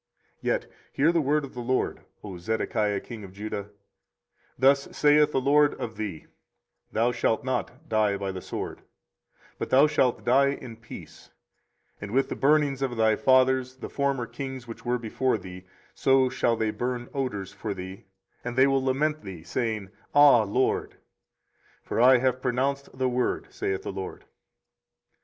24:034:004 Yet hear the word of the LORD, O Zedekiah king of Judah; Thus saith the LORD of thee, Thou shalt not die by the sword: 24:034:005 But thou shalt die in peace: and with the burnings of thy fathers, the former kings which were before thee, so shall they burn odours for thee; and they will lament thee, saying, Ah lord! for I have pronounced the word, saith the LORD.